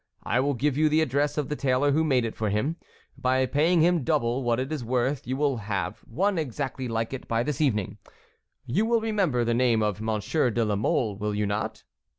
I will give you the address of the tailor who made it for him. By paying him double what it is worth, you will have one exactly like it by this evening. You will remember the name of Monsieur de la Mole, will you not?"